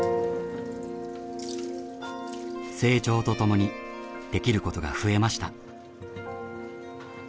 成長とともにできることが増えました。